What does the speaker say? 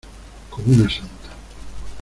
como una santa.